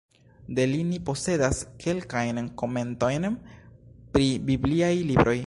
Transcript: De li ni posedas kelkajn komentojn pri bibliaj libroj.